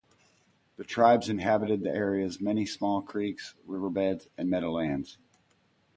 The tribes inhabited the area's many small creeks, river banks and meadowlands.